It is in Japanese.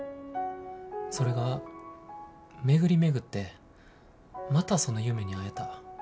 それが巡り巡ってまたその夢に会えた。